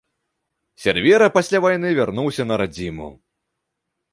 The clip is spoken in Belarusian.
Сервера пасля вайны вярнуўся на радзіму.